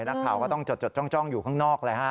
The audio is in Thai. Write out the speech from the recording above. นักข่าวก็ต้องจดจ้องอยู่ข้างนอกเลยฮะ